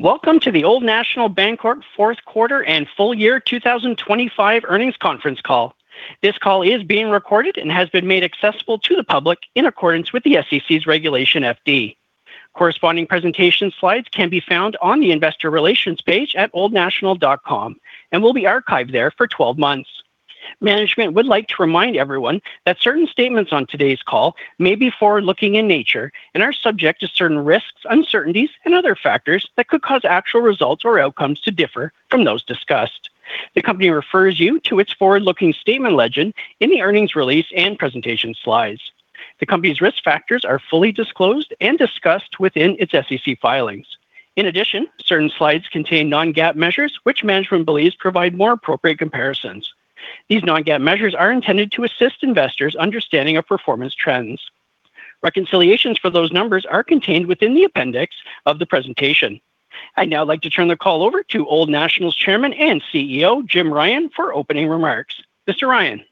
Welcome to the Old National Bancorp Fourth Quarter and Full Year 2025 Earnings Conference call. This call is being recorded and has been made accessible to the public in accordance with the SEC's Regulation FD. Corresponding presentation slides can be found on the Investor Relations page at OldNational.com and will be archived there for 12 months. Management would like to remind everyone that certain statements on today's call may be forward-looking in nature and are subject to certain risks, uncertainties, and other factors that could cause actual results or outcomes to differ from those discussed. The company refers you to its forward-looking statement legend in the earnings release and presentation slides. The company's risk factors are fully disclosed and discussed within its SEC filings. In addition, certain slides contain non-GAAP measures which management believes provide more appropriate comparisons. These non-GAAP measures are intended to assist investors in understanding performance trends. Reconciliations for those numbers are contained within the appendix of the presentation. I'd now like to turn the call over to Old National's Chairman and CEO, Jim Ryan, for opening remarks. Mr. Ryan.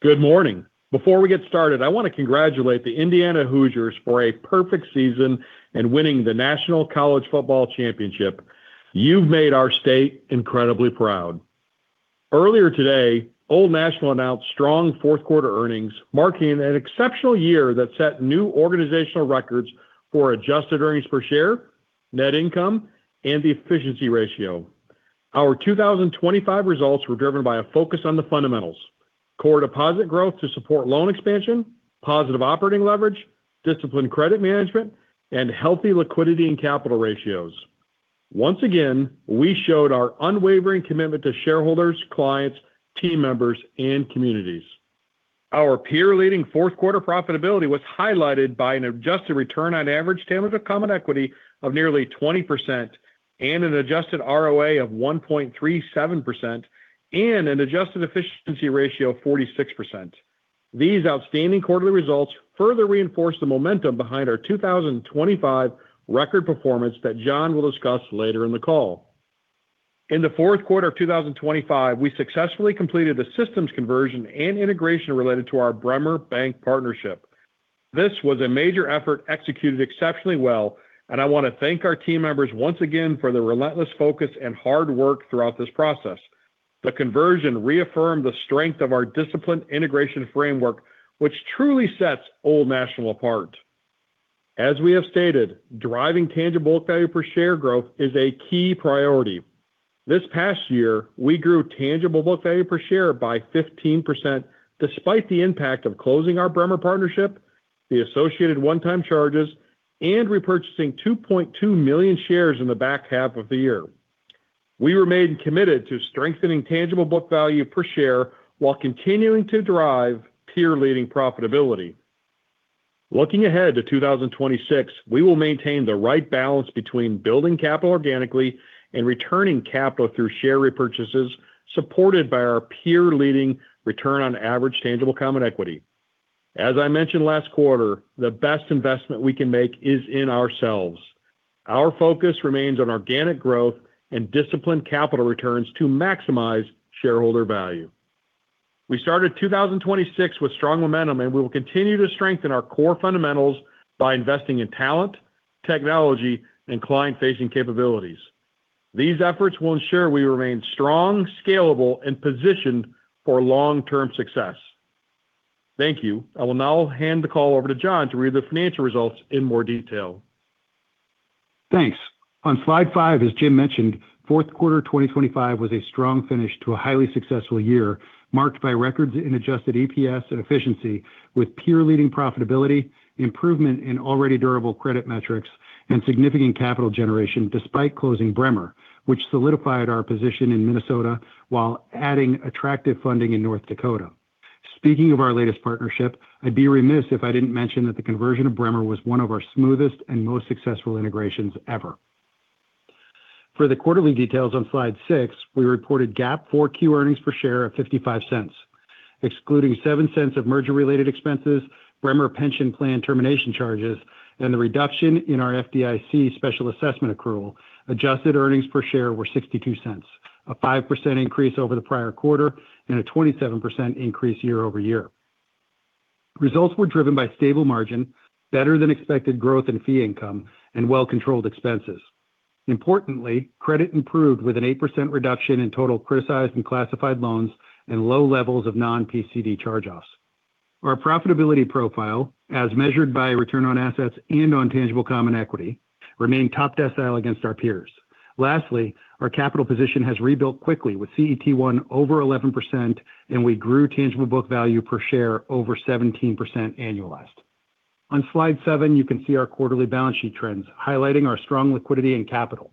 Good morning. Before we get started, I want to congratulate the Indiana Hoosiers for a perfect season and winning the National College Football Championship. You've made our state incredibly proud. Earlier today, Old National announced strong fourth quarter earnings, marking an exceptional year that set new organizational records for adjusted earnings per share, net income, and the efficiency ratio. Our 2025 results were driven by a focus on the fundamentals: core deposit growth to support loan expansion, positive operating leverage, disciplined credit management, and healthy liquidity and capital ratios. Once again, we showed our unwavering commitment to shareholders, clients, team members, and communities. Our peer-leading fourth quarter profitability was highlighted by an adjusted return on average tangible common equity of nearly 20%, an adjusted ROA of 1.37%, and an adjusted efficiency ratio of 46%. These outstanding quarterly results further reinforced the momentum behind our 2025 record performance that John will discuss later in the call. In the fourth quarter of 2025, we successfully completed the systems conversion and integration related to our Bremer Bank partnership. This was a major effort executed exceptionally well, and I want to thank our team members once again for the relentless focus and hard work throughout this process. The conversion reaffirmed the strength of our disciplined integration framework, which truly sets Old National apart. As we have stated, driving tangible book value per share growth is a key priority. This past year, we grew tangible book value per share by 15% despite the impact of closing our Bremer partnership, the associated one-time charges, and repurchasing 2.2 million shares in the back half of the year. We remained committed to strengthening tangible book value per share while continuing to drive peer-leading profitability. Looking ahead to 2026, we will maintain the right balance between building capital organically and returning capital through share repurchases supported by our peer-leading return on average tangible common equity. As I mentioned last quarter, the best investment we can make is in ourselves. Our focus remains on organic growth and disciplined capital returns to maximize shareholder value. We started 2026 with strong momentum, and we will continue to strengthen our core fundamentals by investing in talent, technology, and client-facing capabilities. These efforts will ensure we remain strong, scalable, and positioned for long-term success. Thank you. I will now hand the call over to John to read the financial results in more detail. Thanks. On slide five, as Jim mentioned, fourth quarter 2025 was a strong finish to a highly successful year marked by records in adjusted EPS and efficiency with peer-leading profitability, improvement in already durable credit metrics, and significant capital generation despite closing Bremer, which solidified our position in Minnesota while adding attractive funding in North Dakota. Speaking of our latest partnership, I'd be remiss if I didn't mention that the conversion of Bremer was one of our smoothest and most successful integrations ever. For the quarterly details on slide six, we reported GAAP Q4 earnings per share of $0.55. Excluding $0.07 of merger-related expenses, Bremer pension plan termination charges, and the reduction in our FDIC special assessment accrual, adjusted earnings per share were $0.62, a 5% increase over the prior quarter and a 27% increase year-over-year. Results were driven by stable margin, better than expected growth in fee income, and well-controlled expenses. Importantly, credit improved with an 8% reduction in total criticized and classified loans and low levels of non-PCD charge-offs. Our profitability profile, as measured by return on assets and on tangible common equity, remained top decile against our peers. Lastly, our capital position has rebuilt quickly with CET1 over 11%, and we grew tangible book value per share over 17% annualized. On slide seven, you can see our quarterly balance sheet trends highlighting our strong liquidity and capital.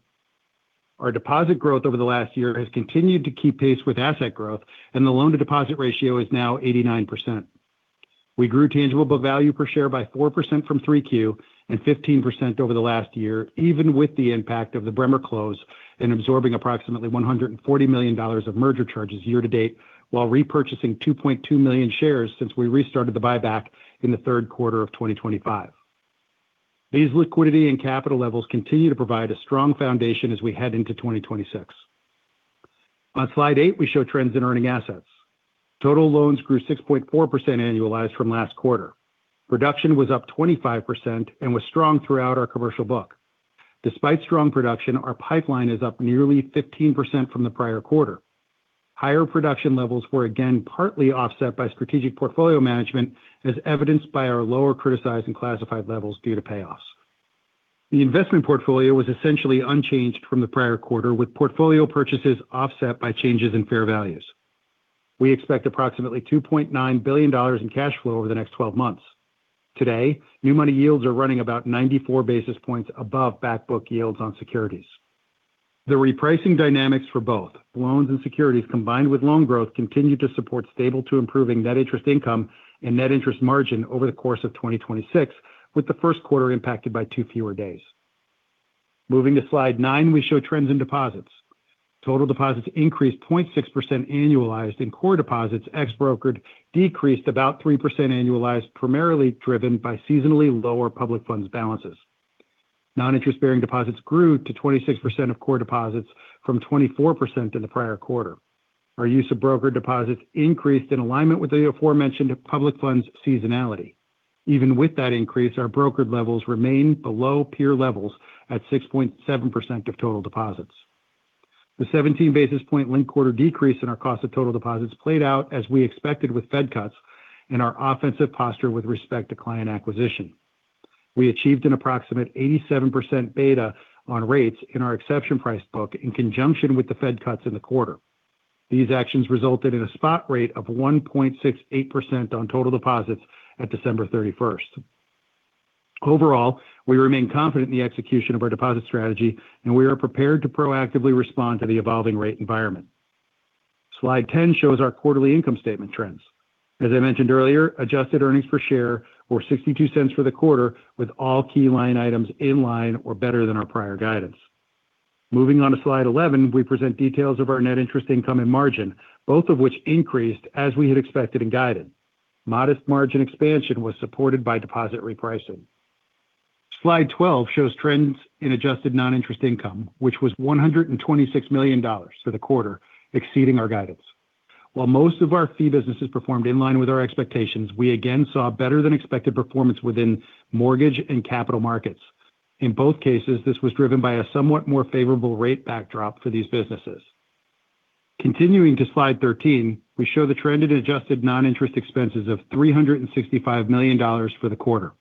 Our deposit growth over the last year has continued to keep pace with asset growth, and the loan-to-deposit ratio is now 89%. We grew tangible book value per share by 4% from 3Q and 15% over the last year, even with the impact of the Bremer close and absorbing approximately $140 million of merger charges year to date while repurchasing 2.2 million shares since we restarted the buyback in the third quarter of 2025. These liquidity and capital levels continue to provide a strong foundation as we head into 2026. On slide eight, we show trends in earning assets. Total loans grew 6.4% annualized from last quarter. Production was up 25% and was strong throughout our commercial book. Despite strong production, our pipeline is up nearly 15% from the prior quarter. Higher production levels were again partly offset by strategic portfolio management, as evidenced by our lower criticized and classified levels due to payoffs. The investment portfolio was essentially unchanged from the prior quarter, with portfolio purchases offset by changes in fair values. We expect approximately $2.9 billion in cash flow over the next 12 months. Today, new money yields are running about 94 basis points above backbook yields on securities. The repricing dynamics for both loans and securities combined with loan growth continue to support stable to improving net interest income and net interest margin over the course of 2026, with the first quarter impacted by two fewer days. Moving to slide nine, we show trends in deposits. Total deposits increased 0.6% annualized, and core deposits ex-brokered decreased about 3% annualized, primarily driven by seasonally lower public funds balances. Non-interest-bearing deposits grew to 26% of core deposits from 24% in the prior quarter. Our use of brokered deposits increased in alignment with the aforementioned public funds seasonality. Even with that increase, our brokered levels remain below peer levels at 6.7% of total deposits. The 17 basis point link quarter decrease in our cost of total deposits played out as we expected with Fed cuts and our offensive posture with respect to client acquisition. We achieved an approximate 87% beta on rates in our exception price book in conjunction with the Fed cuts in the quarter. These actions resulted in a spot rate of 1.68% on total deposits at December 31st. Overall, we remain confident in the execution of our deposit strategy, and we are prepared to proactively respond to the evolving rate environment. Slide 10 shows our quarterly income statement trends. As I mentioned earlier, adjusted earnings per share were $0.62 for the quarter, with all key line items in line or better than our prior guidance. Moving on to slide 11, we present details of our net interest income and margin, both of which increased as we had expected and guided. Modest margin expansion was supported by deposit repricing. Slide 12 shows trends in adjusted non-interest income, which was $126 million for the quarter, exceeding our guidance. While most of our fee businesses performed in line with our expectations, we again saw better than expected performance within mortgage and capital markets. In both cases, this was driven by a somewhat more favorable rate backdrop for these businesses. Continuing to slide 13, we show the trend in adjusted non-interest expenses of $365 million for the quarter.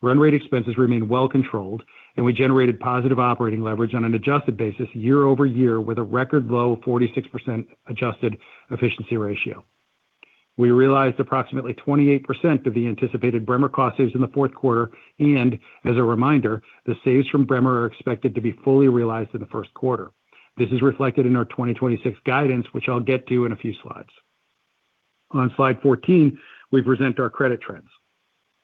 Run rate expenses remain well controlled, and we generated positive operating leverage on an adjusted basis year-over-year with a record low 46% adjusted efficiency ratio. We realized approximately 28% of the anticipated Bremer cost savings in the fourth quarter, and as a reminder, the savings from Bremer are expected to be fully realized in the first quarter. This is reflected in our 2026 guidance, which I'll get to in a few slides. On slide 14, we present our credit trends.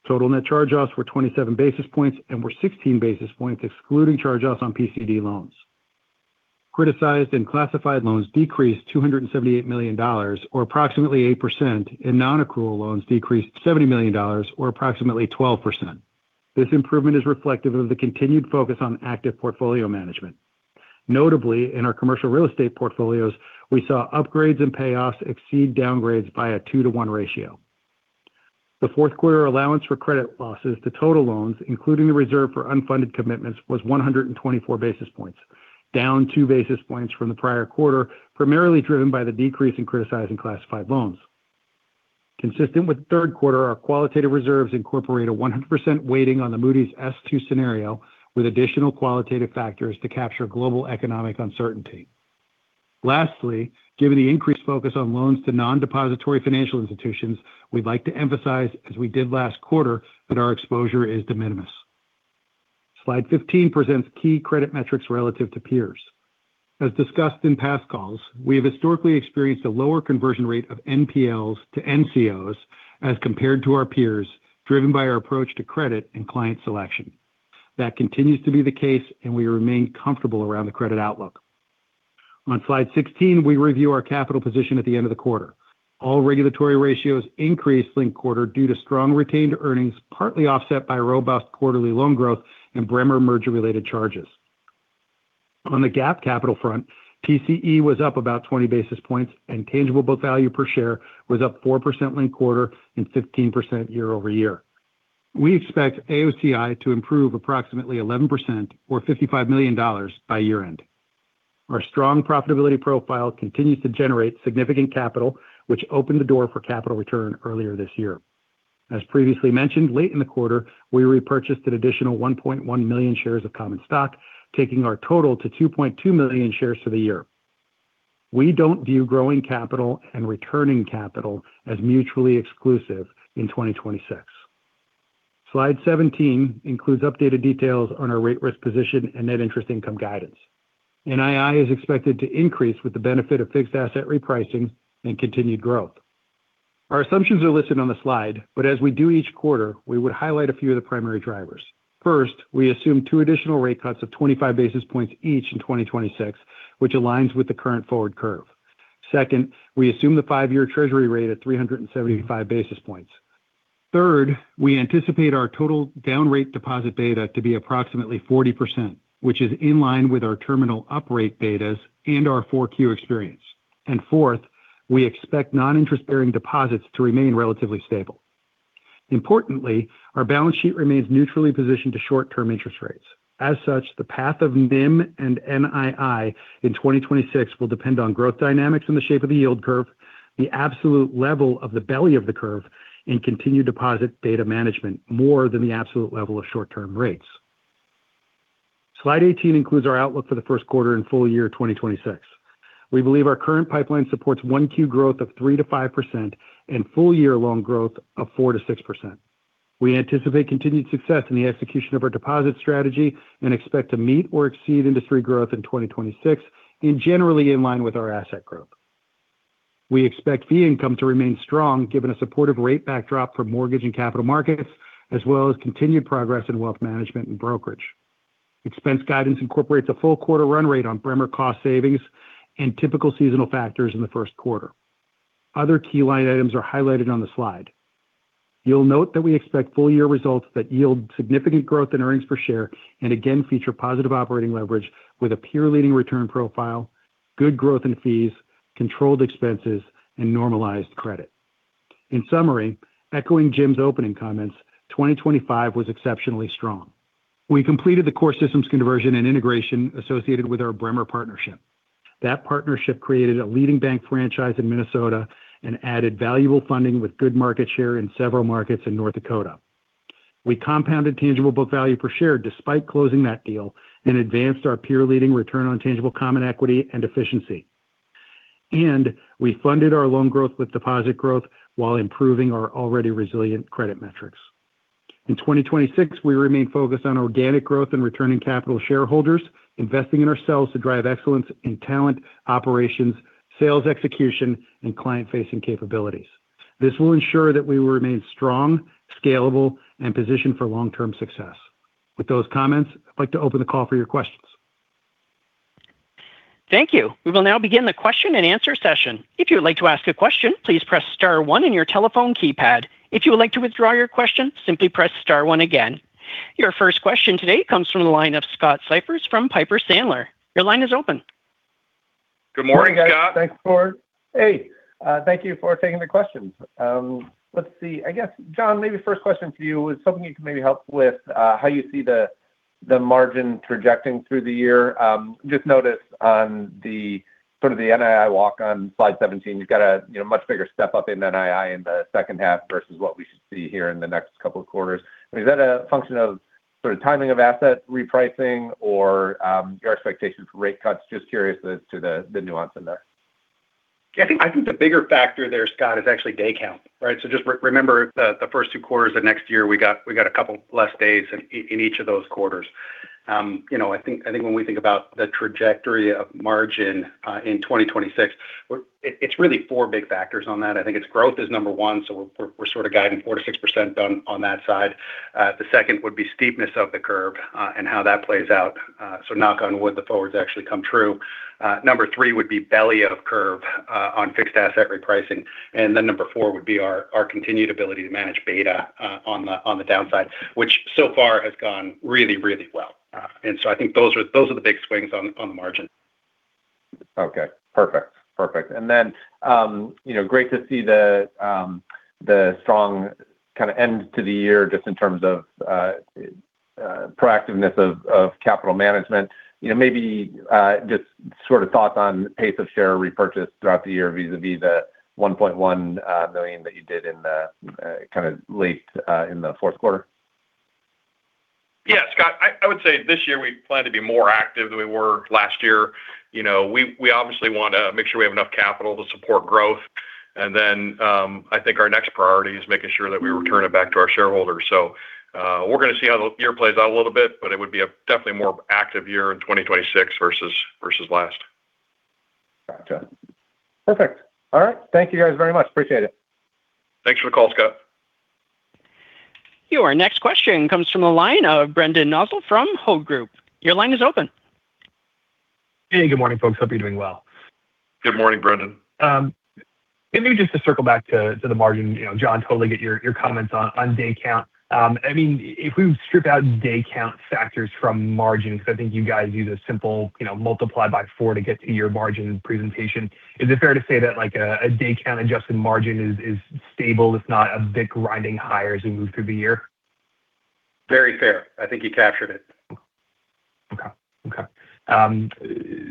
Total net charge-offs were 27 basis points and were 16 basis points excluding charge-offs on PCD loans. Criticized and classified loans decreased $278 million, or approximately 8%, and non-accrual loans decreased $70 million, or approximately 12%. This improvement is reflective of the continued focus on active portfolio management. Notably, in our commercial real estate portfolios, we saw upgrades and payoffs exceed downgrades by a 2:1 ratio. The fourth quarter allowance for credit losses to total loans, including the reserve for unfunded commitments, was 124 basis points, down two basis points from the prior quarter, primarily driven by the decrease in criticized and classified loans. Consistent with the third quarter, our qualitative reserves incorporate a 100% weighting on the Moody's S2 Scenario with additional qualitative factors to capture global economic uncertainty. Lastly, given the increased focus on loans to non-depository financial institutions, we'd like to emphasize, as we did last quarter, that our exposure is de minimis. Slide 15 presents key credit metrics relative to peers. As discussed in past calls, we have historically experienced a lower conversion rate of NPLs to NCOs as compared to our peers, driven by our approach to credit and client selection. That continues to be the case, and we remain comfortable around the credit outlook. On slide 16, we review our capital position at the end of the quarter. All regulatory ratios increased link quarter due to strong retained earnings, partly offset by robust quarterly loan growth and Bremer merger-related charges. On the GAAP capital front, PCE was up about 20 basis points, and tangible book value per share was up 4% link quarter and 15% year-over-year. We expect AOCI to improve approximately 11%, or $55 million by year-end. Our strong profitability profile continues to generate significant capital, which opened the door for capital return earlier this year. As previously mentioned, late in the quarter, we repurchased an additional 1.1 million shares of common stock, taking our total to 2.2 million shares for the year. We don't view growing capital and returning capital as mutually exclusive in 2026. Slide 17 includes updated details on our rate risk position and net interest income guidance. NII is expected to increase with the benefit of fixed asset repricing and continued growth. Our assumptions are listed on the slide, but as we do each quarter, we would highlight a few of the primary drivers. First, we assume two additional rate cuts of 25 basis points each in 2026, which aligns with the current forward curve. Second, we assume the five-year treasury rate at 375 basis points. Third, we anticipate our total down rate deposit beta to be approximately 40%, which is in line with our terminal up rate betas and our 4Q experience. And fourth, we expect non-interest-bearing deposits to remain relatively stable. Importantly, our balance sheet remains neutrally positioned to short-term interest rates. As such, the path of NIM and NII in 2026 will depend on growth dynamics in the shape of the yield curve, the absolute level of the belly of the curve, and continued deposit beta management more than the absolute level of short-term rates. Slide 18 includes our outlook for the first quarter and full year 2026. We believe our current pipeline supports 1Q growth of 3%-5% and full-year loan growth of 4%-6%. We anticipate continued success in the execution of our deposit strategy and expect to meet or exceed industry growth in 2026 and generally in line with our asset growth. We expect fee income to remain strong given a supportive rate backdrop for mortgage and capital markets, as well as continued progress in wealth management and brokerage. Expense guidance incorporates a full quarter run rate on Bremer cost savings and typical seasonal factors in the first quarter. Other key line items are highlighted on the slide. You'll note that we expect full-year results that yield significant growth in earnings per share and again feature positive operating leverage with a peer-leading return profile, good growth in fees, controlled expenses, and normalized credit. In summary, echoing Jim's opening comments, 2025 was exceptionally strong. We completed the core systems conversion and integration associated with our Bremer partnership. That partnership created a leading bank franchise in Minnesota and added valuable funding with good market share in several markets in North Dakota. We compounded tangible book value per share despite closing that deal and advanced our peer-leading return on tangible common equity and efficiency, and we funded our loan growth with deposit growth while improving our already resilient credit metrics. In 2026, we remain focused on organic growth and returning capital shareholders, investing in ourselves to drive excellence in talent, operations, sales execution, and client-facing capabilities. This will ensure that we will remain strong, scalable, and positioned for long-term success. With those comments, I'd like to open the call for your questions. Thank you. We will now begin the question and answer session. If you would like to ask a question, please press star one in your telephone keypad. If you would like to withdraw your question, simply press star one again. Your first question today comes from the line of Scott Siefers from Piper Sandler. Your line is open. Good morning, Scott. Thanks for, hey, thank you for taking the question. Let's see. I guess, John, maybe first question for you was hoping you could maybe help with how you see the margin projecting through the year. Just notice on the sort of the NII walk on slide 17, you've got a much bigger step up in NII in the second half versus what we should see here in the next couple of quarters. Is that a function of sort of timing of asset repricing or your expectation for rate cuts? Just curious as to the nuance in there. I think the bigger factor there, Scott, is actually day count, right? So just remember the first two quarters of next year, we got a couple less days in each of those quarters. I think when we think about the trajectory of margin in 2026, it's really four big factors on that. I think it's growth is number one, so we're sort of guiding 4%-6% on that side. The second would be steepness of the curve and how that plays out. So, knock on wood, the forwards actually come true. Number three would be belly of the curve on fixed asset repricing. And then number four would be our continued ability to manage beta on the downside, which so far has gone really, really well. And so I think those are the big swings on the margin. Okay. Perfect. Perfect. And then great to see the strong kind of end to the year just in terms of proactiveness of capital management. Maybe just sort of thoughts on pace of share repurchase throughout the year vis-à-vis the 1.1 million that you did in the kind of late in the fourth quarter. Yeah, Scott, I would say this year we plan to be more active than we were last year. We obviously want to make sure we have enough capital to support growth. And then I think our next priority is making sure that we return it back to our shareholders. So we're going to see how the year plays out a little bit, but it would be a definitely more active year in 2026 versus last. Gotcha. Perfect. All right. Thank you guys very much. Appreciate it. Thanks for the call, Scott. Your next question comes from the line of Brendan Nosal from Hovde Group. Your line is open. Hey, good morning, folks. Hope you're doing well. Good morning, Brendan. Maybe just to circle back to the margin, John, totally get your comments on day count. I mean, if we strip out day count factors from margin, because I think you guys use a simple multiply by four to get to your margin presentation, is it fair to say that a day count adjusted margin is stable, if not a bit grinding higher as we move through the year? Very fair. I think you captured it. Okay. Okay.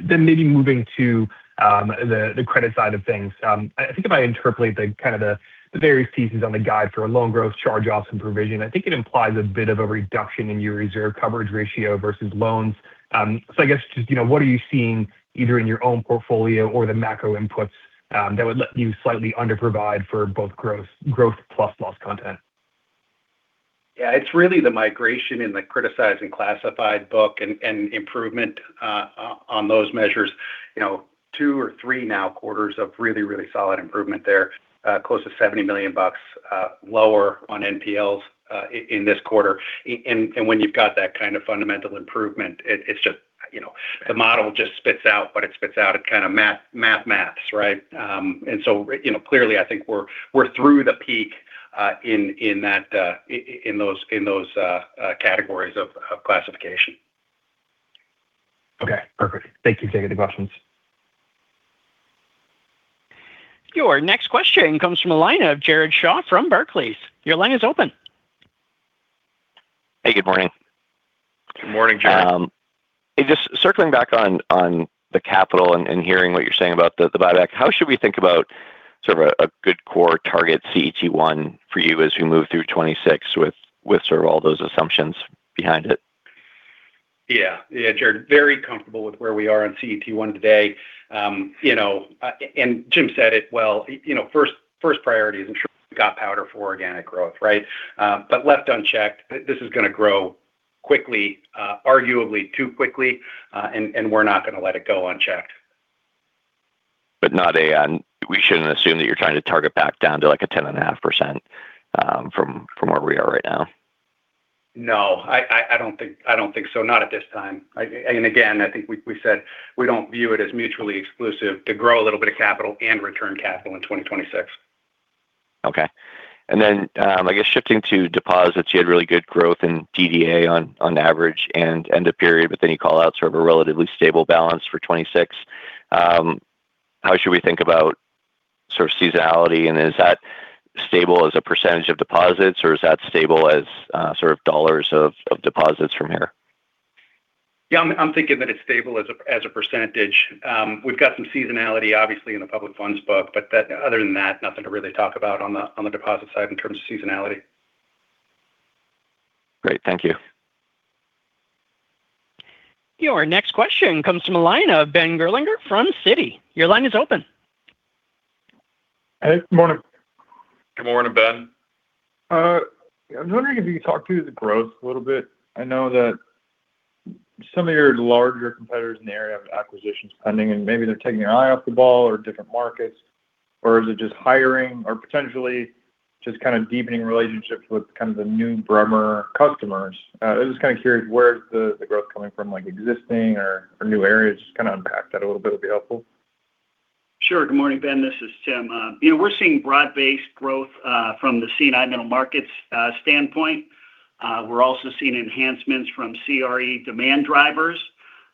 Then maybe moving to the credit side of things. I think if I interpolate the kind of the various pieces on the guide for loan growth, charge-offs, and provision, I think it implies a bit of a reduction in your reserve coverage ratio versus loans. So I guess just what are you seeing either in your own portfolio or the macro inputs that would let you slightly underprovide for both growth plus loss content? Yeah, it's really the migration in the criticized and classified book and improvement on those measures. Two or three now quarters of really, really solid improvement there, close to $70 million lower on NPLs in this quarter. And when you've got that kind of fundamental improvement, it's just the model just spits out what it spits out. It kind of math, math, maths, right? And so clearly, I think we're through the peak in those categories of classification. Okay. Perfect. Thank you for taking the questions. Your next question comes from the line of Jared Shaw from Barclays. Your line is open. Hey, good morning. Good morning, Jared. Just circling back on the capital and hearing what you're saying about the buyback, how should we think about sort of a good core target CET1 for you as we move through 2026 with sort of all those assumptions behind it? Yeah. Yeah, Jared, very comfortable with where we are on CET1 today. And Jim said it well. First priority is ensuring we've got powder for organic growth, right? But left unchecked, this is going to grow quickly, arguably too quickly, and we're not going to let it go unchecked. But no, we shouldn't assume that you're trying to target back down to like a 10.5% from where we are right now. No, I don't think so. Not at this time. And again, I think we said we don't view it as mutually exclusive to grow a little bit of capital and return capital in 2026. Okay. And then I guess shifting to deposits, you had really good growth in DDA on average and end of period, but then you call out sort of a relatively stable balance for 2026. How should we think about sort of seasonality? And is that stable as a percentage of deposits, or is that stable as sort of dollars of deposits from here? Yeah, I'm thinking that it's stable as a percentage. We've got some seasonality, obviously, in the public funds book, but other than that, nothing to really talk about on the deposit side in terms of seasonality. Great. Thank you. Your next question comes from the line of Ben Gerlinger from Citi. Your line is open. Hey, good morning. Good morning, Ben. I was wondering if you could talk to the growth a little bit. I know that some of your larger competitors in the area have acquisitions pending, and maybe they're taking their eye off the ball or different markets, or is it just hiring or potentially just kind of deepening relationships with kind of the new Bremer customers? I'm just kind of curious where's the growth coming from, like existing or new areas? Just kind of unpack that a little bit would be helpful. Sure. Good morning, Ben. This is Tim. We're seeing broad-based growth from the C&I middle markets standpoint. We're also seeing enhancements from CRE demand drivers.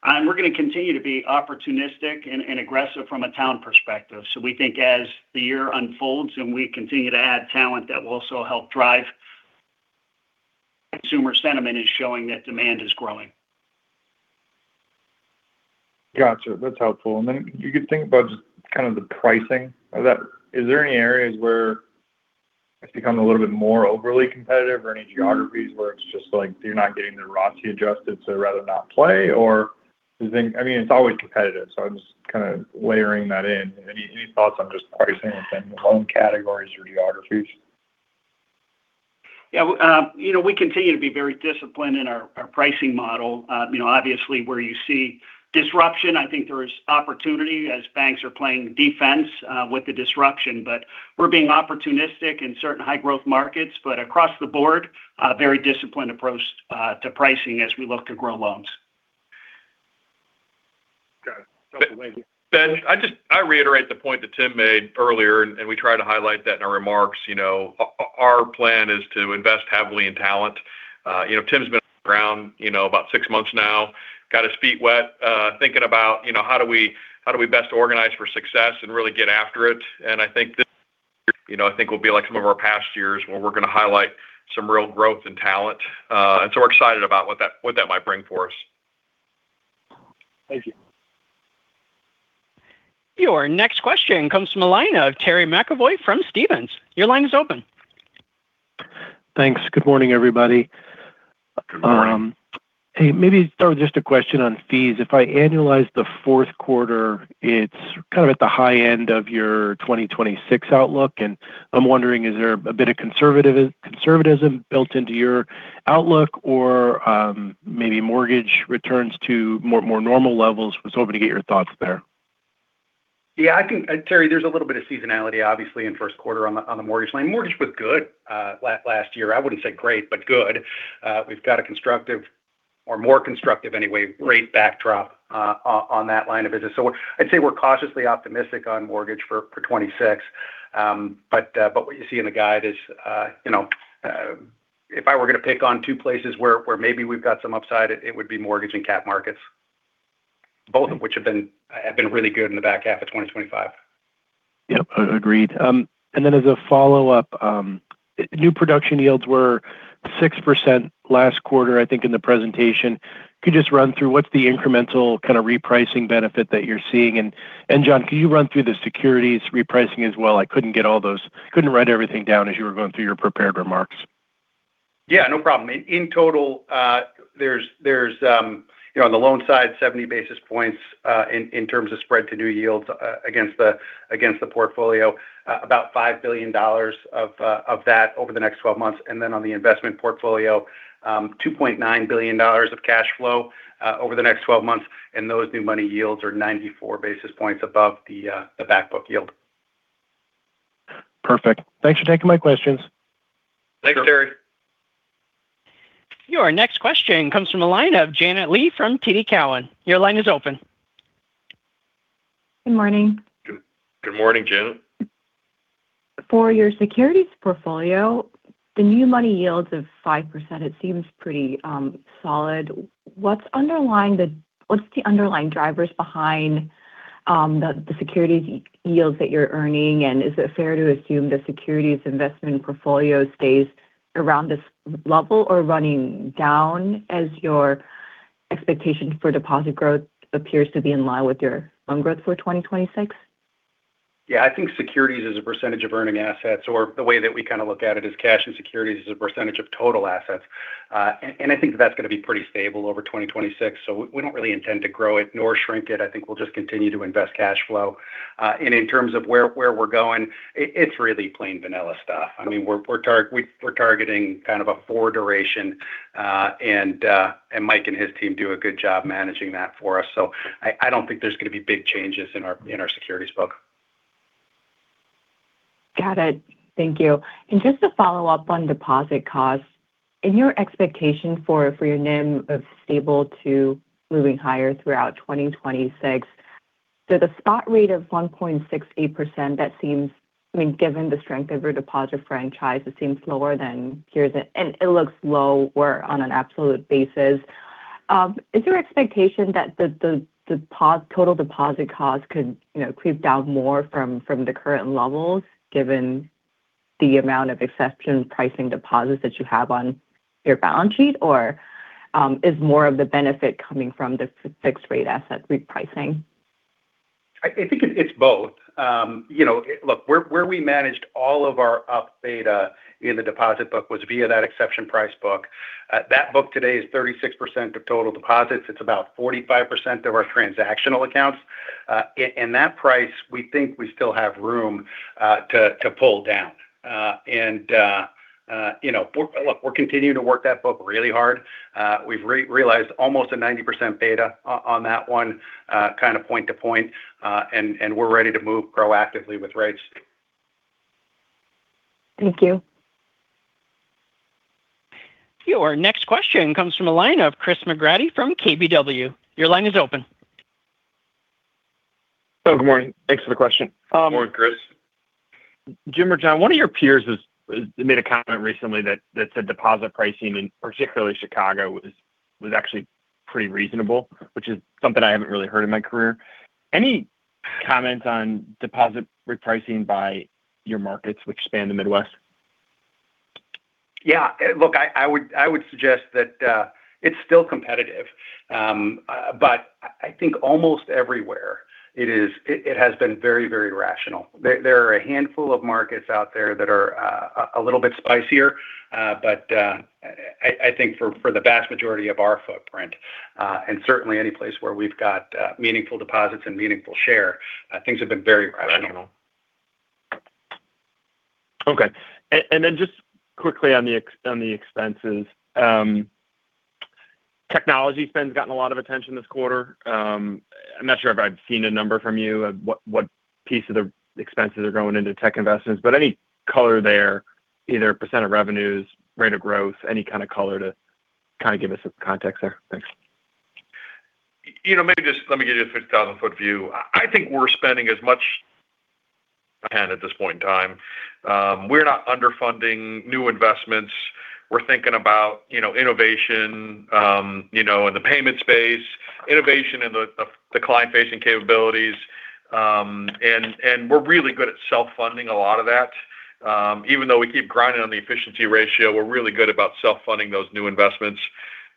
We're going to continue to be opportunistic and aggressive from a talent perspective. So we think as the year unfolds and we continue to add talent that will also help drive consumer sentiment is showing that demand is growing. Gotcha. That's helpful. And then you could think about just kind of the pricing. Is there any areas where it's become a little bit more overly competitive or any geographies where it's just like you're not getting the ROSI adjusted to rather not play? Or I mean, it's always competitive, so I'm just kind of layering that in. Any thoughts on just pricing within the loan categories or geographies? Yeah. We continue to be very disciplined in our pricing model. Obviously, where you see disruption, I think there is opportunity as banks are playing defense with the disruption, but we're being opportunistic in certain high-growth markets, but across the board, very disciplined approach to pricing as we look to grow loans. Got it. Thank you. Ben, I reiterate the point that Tim made earlier, and we tried to highlight that in our remarks. Our plan is to invest heavily in talent. Tim's been on the ground about six months now, got his feet wet, thinking about how do we best organize for success and really get after it, and I think this year, I think, will be like some of our past years where we're going to highlight some real growth in talent. And so we're excited about what that might bring for us. Thank you. Your next question comes from the line of Terry McEvoy from Stephens. Your line is open. Thanks. Good morning, everybody. Hey, maybe start with just a question on fees. If I annualize the fourth quarter, it's kind of at the high end of your 2026 outlook. And I'm wondering, is there a bit of conservatism built into your outlook or maybe mortgage returns to more normal levels? I was hoping to get your thoughts there. Yeah. Terry, there's a little bit of seasonality, obviously, in first quarter on the mortgage line. Mortgage was good last year. I wouldn't say great, but good. We've got a constructive or more constructive anyway rate backdrop on that line of business. So I'd say we're cautiously optimistic on mortgage for 2026. But what you see in the guide is if I were going to pick on two places where maybe we've got some upside, it would be mortgage and cap markets, both of which have been really good in the back half of 2025. Yep. Agreed. And then as a follow-up, new production yields were 6% last quarter, I think, in the presentation. Could you just run through what's the incremental kind of repricing benefit that you're seeing? And John, could you run through the securities repricing as well? I couldn't get all those. Couldn't write everything down as you were going through your prepared remarks. Yeah, no problem. In total, there's on the loan side, 70 basis points in terms of spread to new yields against the portfolio, about $5 billion of that over the next 12 months. And then on the investment portfolio, $2.9 billion of cash flow over the next 12 months. And those new money yields are 94 basis points above the backbook yield. Perfect. Thanks for taking my questions. Thanks, Terry. Your next question comes from the line of Janet Lee from TD Cowen. Your line is open. Good morning. Good morning, Janet. For your securities portfolio, the new money yields of 5%. It seems pretty solid. What's the underlying drivers behind the securities yields that you're earning? And is it fair to assume the securities investment portfolio stays around this level or running down as your expectation for deposit growth appears to be in line with your loan growth for 2026? Yeah. I think securities is a percentage of earning assets, or the way that we kind of look at it is cash and securities is a percentage of total assets. I think that that's going to be pretty stable over 2026. We don't really intend to grow it nor shrink it. I think we'll just continue to invest cash flow. In terms of where we're going, it's really plain vanilla stuff. I mean, we're targeting kind of a four duration, and Mike and his team do a good job managing that for us. I don't think there's going to be big changes in our securities book. Got it. Thank you. Just to follow up on deposit costs, in your expectation for your NIM of stable to moving higher throughout 2026, so the spot rate of 1.68%, that seems, I mean, given the strength of your deposit franchise, it seems lower than it looks lower on an absolute basis. Is there an expectation that the total deposit cost could creep down more from the current levels given the amount of exception pricing deposits that you have on your balance sheet, or is more of the benefit coming from the fixed-rate asset repricing? I think it's both. Look, where we managed all of our up beta in the deposit book was via that exception price book. That book today is 36% of total deposits. It's about 45% of our transactional accounts. And that price, we think we still have room to pull down. And look, we're continuing to work that book really hard. We've realized almost a 90% beta on that one, kind of point to point, and we're ready to move proactively with rates. Thank you. Your next question comes from the line of Chris McGratty from KBW. Your line is open. Hello. Good morning. Thanks for the question. Good morning, Chris. Jim or John, one of your peers made a comment recently that said deposit pricing, and particularly Chicago, was actually pretty reasonable, which is something I haven't really heard in my career. Any comments on deposit repricing by your markets, which span the Midwest? Yeah. Look, I would suggest that it's still competitive, but I think almost everywhere it has been very, very rational. There are a handful of markets out there that are a little bit spicier, but I think for the vast majority of our footprint, and certainly any place where we've got meaningful deposits and meaningful share, things have been very rational. Okay. And then just quickly on the expenses, technology spend's gotten a lot of attention this quarter. I'm not sure if I've seen a number from you, what piece of the expenses are going into tech investments, but any color there, either percent of revenues, rate of growth, any kind of color to kind of give us some context there? Thanks. Maybe just let me give you a 50,000-foot view. I think we're spending as much as we can at this point in time. We're not underfunding new investments. We're thinking about innovation in the payment space, innovation in the client-facing capabilities. And we're really good at self-funding a lot of that. Even though we keep grinding on the efficiency ratio, we're really good about self-funding those new investments.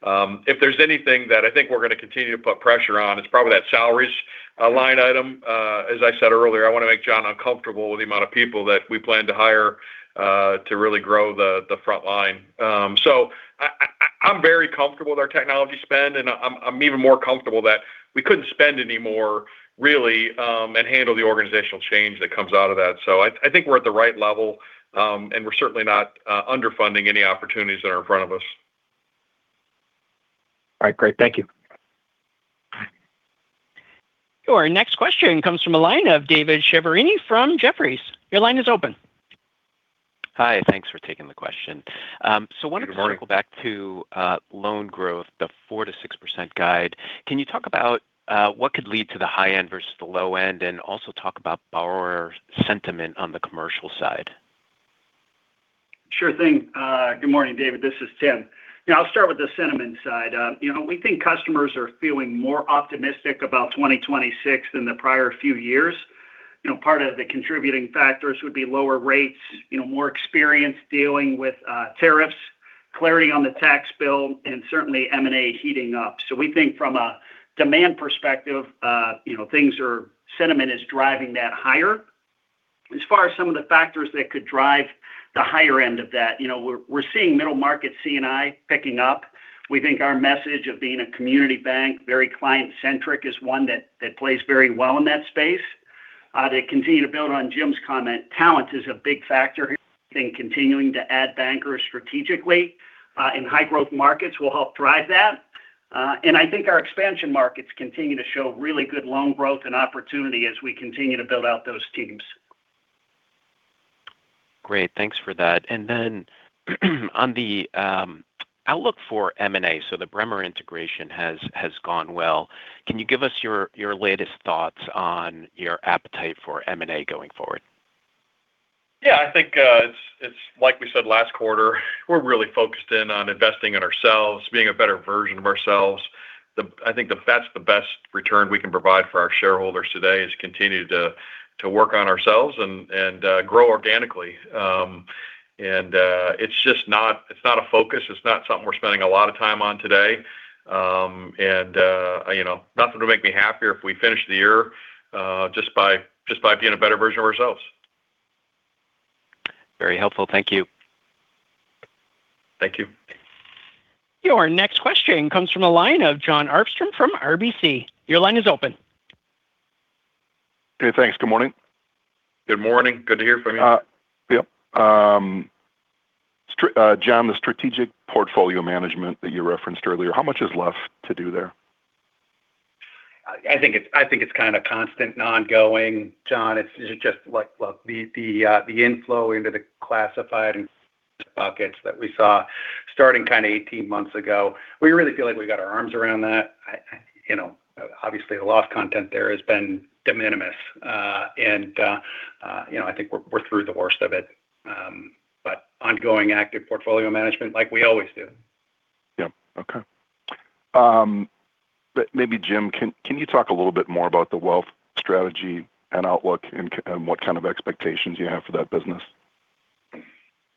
If there's anything that I think we're going to continue to put pressure on, it's probably that salaries line item. As I said earlier, I want to make John uncomfortable with the amount of people that we plan to hire to really grow the front line. So I'm very comfortable with our technology spend, and I'm even more comfortable that we couldn't spend any more really and handle the organizational change that comes out of that. So I think we're at the right level, and we're certainly not underfunding any opportunities that are in front of us. All right. Great. Thank you. Your next question comes from the line of David Chiaverini from Jefferies. Your line is open. Hi. Thanks for taking the question. So I wanted to circle back to loan growth, the 4%-6% guide. Can you talk about what could lead to the high end versus the low end, and also talk about borrower sentiment on the commercial side? Sure thing. Good morning, David. This is Tim. I'll start with the sentiment side. We think customers are feeling more optimistic about 2026 than the prior few years. Part of the contributing factors would be lower rates, more experience dealing with tariffs, clarity on the tax bill, and certainly M&A heating up. So we think from a demand perspective, sentiment is driving that higher. As far as some of the factors that could drive the higher end of that, we're seeing middle market C&I picking up. We think our message of being a community bank, very client-centric, is one that plays very well in that space. To continue to build on Jim's comment, talent is a big factor. I think continuing to add bankers strategically in high-growth markets will help drive that, and I think our expansion markets continue to show really good loan growth and opportunity as we continue to build out those teams. Great. Thanks for that. And then on the outlook for M&A, so the Bremer integration has gone well. Can you give us your latest thoughts on your appetite for M&A going forward? Yeah. I think it's like we said last quarter, we're really focused in on investing in ourselves, being a better version of ourselves. I think that's the best return we can provide for our shareholders today is continue to work on ourselves and grow organically. And it's not a focus. It's not something we're spending a lot of time on today. And nothing would make me happier if we finished the year just by being a better version of ourselves. Very helpful. Thank you. Thank you. Your next question comes from the line of Jon Arfstrom from RBC. Your line is open. Hey, thanks. Good morning. Good morning. Good to hear from you. Yep. John, the strategic portfolio management that you referenced earlier, how much is left to do there? I think it's kind of constant, ongoing. Jon, it's just like the inflow into the classified buckets that we saw starting kind of 18 months ago. We really feel like we got our arms around that. Obviously, the loss content there has been de minimis, and I think we're through the worst of it, but ongoing active portfolio management like we always do. Yep. Okay. Maybe Jim, can you talk a little bit more about the wealth strategy and outlook and what kind of expectations you have for that business?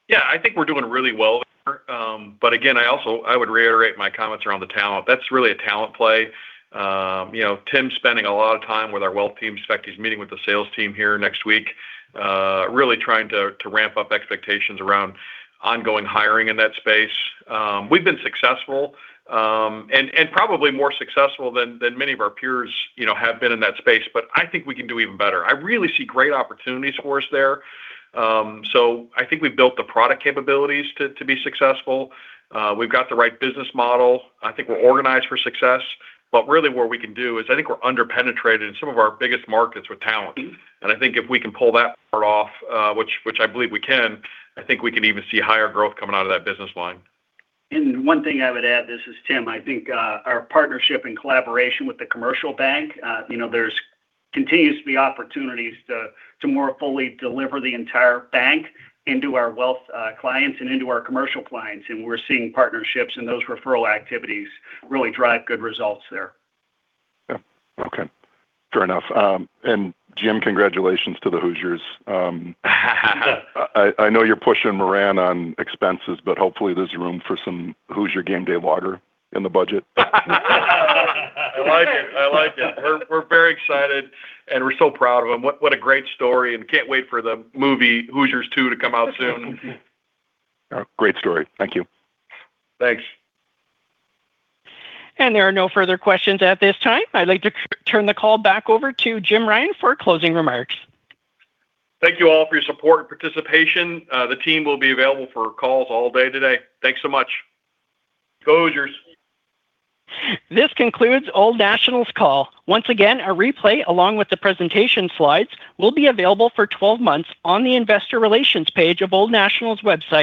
Yeah. I think we're doing really well there. But again, I would reiterate my comments around the talent. That's really a talent play. Tim's spending a lot of time with our wealth teams. In fact, he's meeting with the sales team here next week, really trying to ramp up expectations around ongoing hiring in that space. We've been successful and probably more successful than many of our peers have been in that space, but I think we can do even better. I really see great opportunities for us there. So I think we've built the product capabilities to be successful. We've got the right business model. I think we're organized for success. But really, what we can do is I think we're underpenetrated in some of our biggest markets with talent. And I think if we can pull that part off, which I believe we can, I think we can even see higher growth coming out of that business line. And one thing I would add, this is Tim. I think our partnership and collaboration with the commercial bank. There continues to be opportunities to more fully deliver the entire bank into our wealth clients and into our commercial clients. And we're seeing partnerships and those referral activities really drive good results there. Yep. Okay. Fair enough. And Jim, congratulations to the Hoosiers. I know you're pushing Moran on expenses, but hopefully there's room for some Hoosier game day water in the budget. I like it. I like it. We're very excited, and we're so proud of them. What a great story, and can't wait for the movie Hoosiers 2 to come out soon. Great story. Thank you. Thanks. And there are no further questions at this time. I'd like to turn the call back over to Jim Ryan for closing remarks. Thank you all for your support and participation. The team will be available for calls all day today. Thanks so much. Go Hoosiers. This concludes Old National's call. Once again, a replay along with the presentation slides will be available for 12 months on the investor relations page of Old National's website.